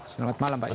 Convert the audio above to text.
selamat malam pak yoga